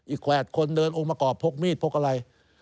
อีก๘คนเดินออกมากรอบพกมีดพกอะไร